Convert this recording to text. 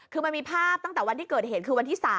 คือมันมีภาพตั้งแต่วันที่เกิดเหตุคือวันที่๓